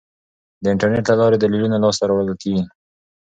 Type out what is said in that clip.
د انټرنیټ له لارې دلیلونه لاسته راوړل کیږي.